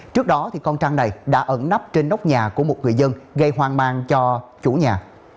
trước đó con trang này đã ẩn nắp trên nóc nhà của một người dân gây hoang mang cho chủ nhà